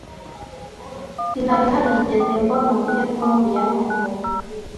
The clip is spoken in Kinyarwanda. Sinari narigeze mbona uburyo Tom yari umusazi.